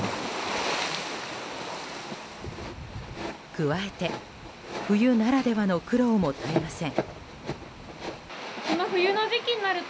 加えて冬ならではの苦労も絶えません。